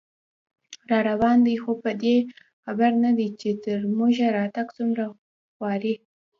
راروان دی خو په دې خبر نه دی، چې تر موږه راتګ څومره خواري